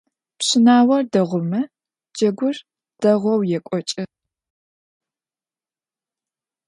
Пщынаор дэгъумэ джэгур дэгъоу екӏокӏы.